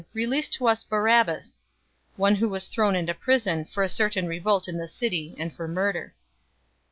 Release to us Barabbas!" 023:019 one who was thrown into prison for a certain revolt in the city, and for murder.